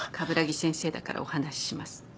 鏑木先生だからお話しします。